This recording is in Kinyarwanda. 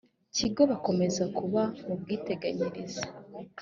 kigo bakomeza kuba mu bwiteganyirize